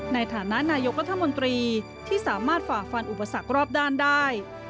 ในฐานะนายกรัฐมนตรีที่สามารถฝ่าฟันอุปสรรครอบด้านได้